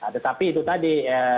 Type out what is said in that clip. tetapi itu tadi